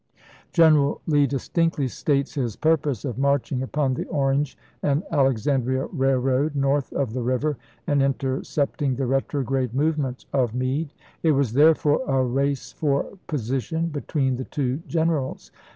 General Lee distinctly states his purpose of marching upon the Orange and Alex andria Railroad north of the river and intercepting the retrograde movement of Meade. It was there fore a race for position between the two generals.